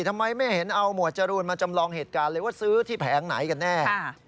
ทำไมไม่เห็นเอาหมวดจรูนมาจำลองเหตุการณ์เลยว่าซื้อที่แผงไหนกันแน่